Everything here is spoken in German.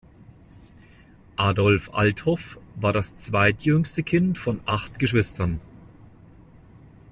Adolf Althoff war das zweitjüngste Kind von acht Geschwistern.